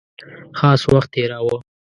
خاص وخت تېراوه.